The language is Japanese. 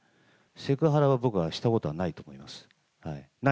セクハラは僕はしたことはないと思います。